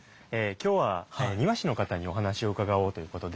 今日は庭師の方にお話を伺おうということで。